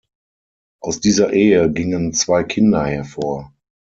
Aus dieser Ehe gingen zwei Kinder hervor.